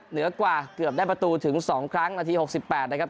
เหนือกว่าเกือบได้ประตูถึง๒ครั้งนาที๖๘นะครับ